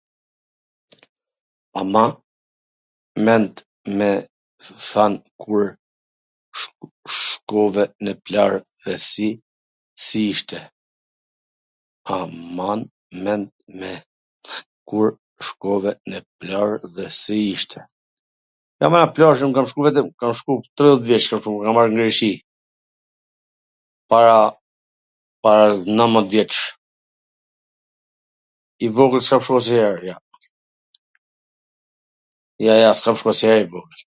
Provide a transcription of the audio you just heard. A ma mend kur shkove nw plazh dhe si ishte? Nw plazh un kam shku, tridhet vjeC kam shku, por ama n Greqi. Para, para nanmet vjetsh, i vogwl s kam shku asnjwher, jo, Jo, jo, s kam shku asnjwher i vogwl.